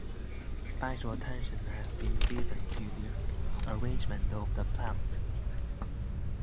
Special attention has been given to the arrangement of the plant.